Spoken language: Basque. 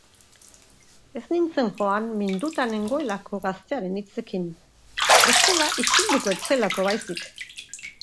Ez nintzen joan minduta nengoelako gaztearen hitzekin, bestela isilduko ez zelako baizik.